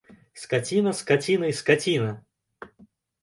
Скаціна, скаціна і скаціна!